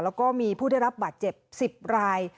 แล้วก็มีผู้ได้รับบาดเจ็บ๑๐ราย